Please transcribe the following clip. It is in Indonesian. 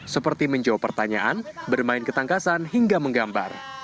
seperti menjawab pertanyaan bermain ketangkasan hingga menggambar